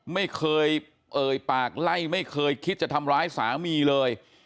ไม่เคยเอ่ยปากไล่ไม่เคยคิดจะทำร้ายสามีเลย